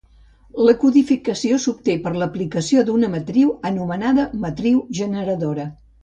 La codificació s'obté per l'aplicació d'una matriu, anomenada matriu generadora.